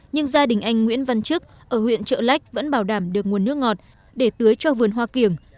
nhưng gia đình anh nguyễn văn trức ở huyện trợ lách vẫn bảo đảm được nguồn nước ngọt để tưới cho vườn hoa kiểng